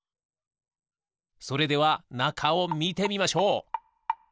それではなかをみてみましょう！